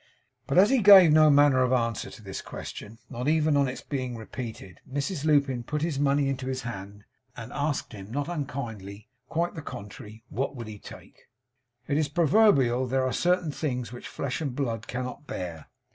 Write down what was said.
But as he gave no manner of answer to this question; not even on its being repeated; Mrs Lupin put his money into his hand, and asked him not unkindly, quite the contrary what he would take? It is proverbial that there are certain things which flesh and blood cannot bear.